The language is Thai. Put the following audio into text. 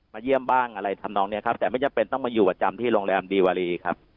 เยี่ยมบ้างอะไรทำนองเนี้ยครับแต่ไม่จำเป็นต้องมาอยู่ประจำที่โรงแรมดีวารีครับ